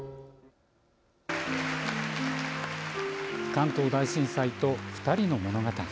関東大震災と２人の物語。